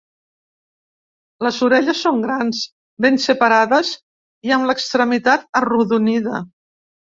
Les orelles són grans, ben separades i amb l'extremitat arrodonida.